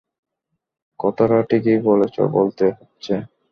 কথাটা ঠিকই বলেছ বলতে হচ্ছে।